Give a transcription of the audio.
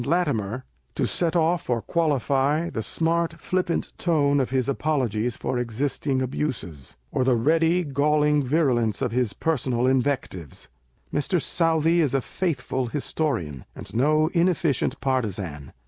17 Latimer,1 to set off or qualify the smart flippant tone of his apologies for existing abuses, or the ready, galling virulence of his personal invectives. Mr. Southey is a faithful historian, and no inefficient partisan.